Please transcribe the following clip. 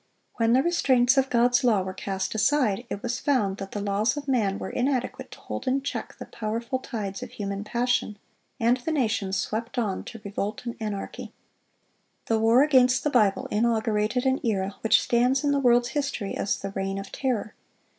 When the restraints of God's law were cast aside, it was found that the laws of man were inadequate to hold in check the powerful tides of human passion; and the nation swept on to revolt and anarchy. The war against the Bible inaugurated an era which stands in the world's history as "The Reign of Terror."